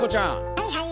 はいはい。